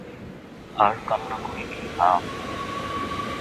আর কান্না করে কী লাভ?